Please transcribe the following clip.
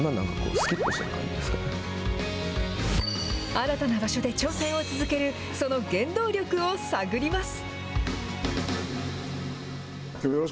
新たな場所で挑戦を続ける、その原動力を探ります。